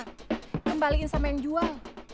kembaliin sama yang jual